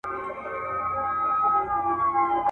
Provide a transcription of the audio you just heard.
د جرګو ورته راتلله رپوټونه.